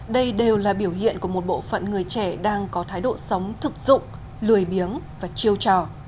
đây đều là biểu hiện của một bộ phận người trẻ đang có thái độ sống thực dụng lười biếng và chiêu trò